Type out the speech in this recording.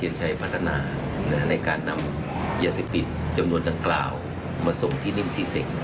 ในการนำยาเสพติดจำนวนดังกล่าวมาส่งที่นิมศิษภิกษ์